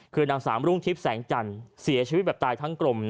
คือนางสามรุ่งทิพย์แสงจันทร์เสียชีวิตแบบตายทั้งกลม